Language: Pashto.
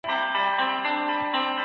شور د خوب کیفیت خرابوي.